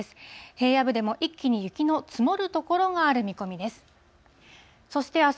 平野部でも一気に雪の積もる所がある見込みです。